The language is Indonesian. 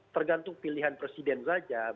tergantung pilihan presiden saja